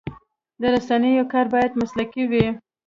د رسنیو کار باید مسلکي وي.